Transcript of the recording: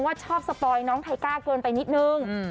ชอบสปอยน้องไทก้าเกินไปนิดนึง